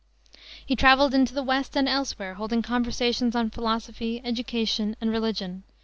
He traveled into the West and elsewhere, holding conversations on philosophy, education, and religion.